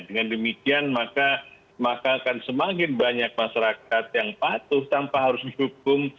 dengan demikian maka akan semakin banyak masyarakat yang patuh tanpa harus dihukum